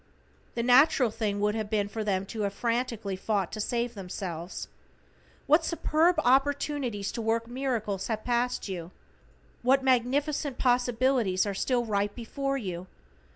The natural thing would have been for them to have frantically fought to save themselves. What superb opportunities to work miracles have passed you! What magnificent possibilities are still right before you!